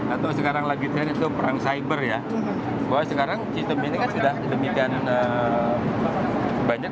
atau sekarang lagi tren itu perang cyber ya bahwa sekarang sistem ini kan sudah demikian banyak